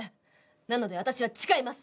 なので、私は誓います。